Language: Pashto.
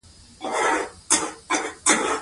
په افغانستان کې د جواهرات تاریخ اوږد دی.